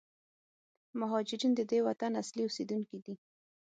مهارجرین د دې وطن اصلي اوسېدونکي دي.